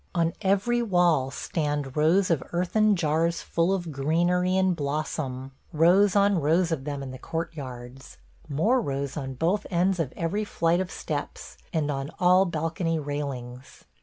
On every wall stand rows of earthen jars full of greenery and blossom – rows on rows of them in the courtyards – more rows on both ends of every flight of steps, and on all balcony railings.